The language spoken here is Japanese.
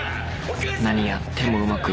［何やってもうまくいかず］